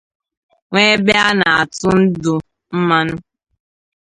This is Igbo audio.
nwee ebe a na-atụ ndụ mmanụ